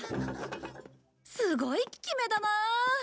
すごい効き目だなあ。